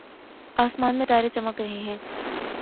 آسمان میں تارے چمک رہے ہیں